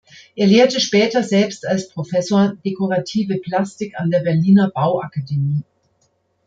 Er lehrte später selbst als Professor dekorative Plastik an der Berliner Bauakademie.